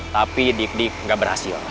tapi dik dik tidak berhasil